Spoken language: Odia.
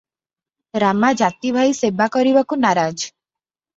ରାମା ଜାତି ଭାଇ ସେବା କରିବାକୁ ନାରାଜ ।